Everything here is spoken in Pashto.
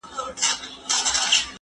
زه به اوږده موده چپنه پاک کړې وم!